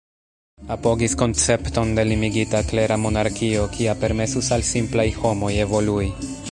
Apogis koncepton de limigita, klera monarkio, kia permesus al simplaj homoj evolui.